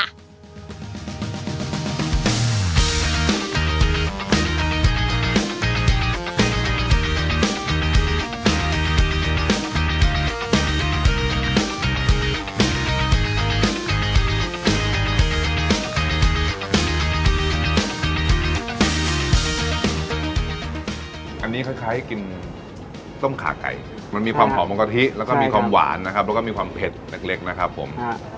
อันนี้คล้ายกินส้มขาไก่มันมีความหอมของกะทิแล้วก็มีความหวานนะครับแล้วก็มีความเผ็ดเล็กนะครับผม